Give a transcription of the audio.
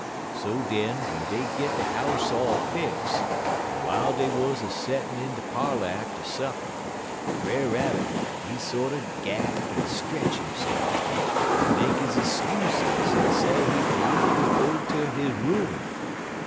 So den, w'en dey git de house all fix, en w'iles dey wuz all a settin' in de parlor atter supper, Brer Rabbit, he sorter gap en stretch hisse'f, en make his 'skuses en say he b'leeve he'll go ter he room.